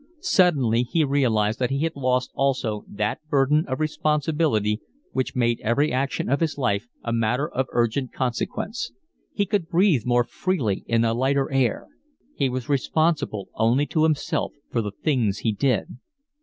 Suddenly he realised that he had lost also that burden of responsibility which made every action of his life a matter of urgent consequence. He could breathe more freely in a lighter air. He was responsible only to himself for the things he did.